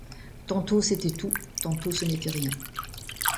Tantôt c’était tout, tantôt ce n’était rien.